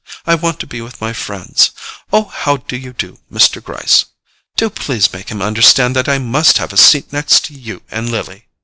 I want to be with my friends. Oh, how do you do, Mr. Gryce? Do please make him understand that I must have a seat next to you and Lily."